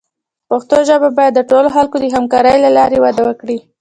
پښتو ژبه باید د ټولو خلکو د همکارۍ له لارې وده وکړي.